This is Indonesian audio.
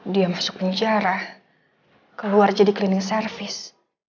dia masuk penjara keluar jadi cleaning service